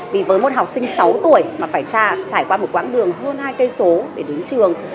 vì với một học sinh sáu tuổi mà phải trải qua một quãng đường hơn hai cây số để đến trường